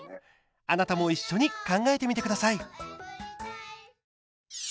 あなたも一緒に考えてみてください。